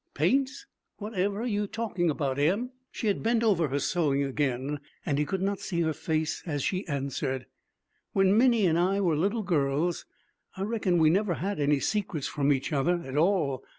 'Paints? What ever are you talking about, Em?' She had bent over her sewing again, and he could not see her face as she answered, 'When Minnie and I were little girls, I reckon we never had any secrets from each other, at all.